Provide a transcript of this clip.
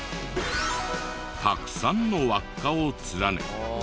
たくさんの輪っかを連ね。